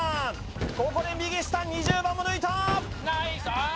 ここで右下２０番も抜いた！